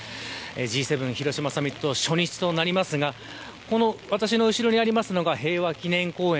Ｇ７広島サミット初日となりますがこの私の後ろにあるのが平和記念公園。